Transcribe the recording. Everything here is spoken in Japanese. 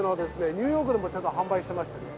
ニューヨークでもちょっと販売してましてね。